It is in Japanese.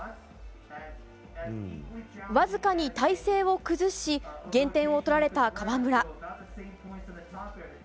わずかに体勢を崩し減点をとられた川村。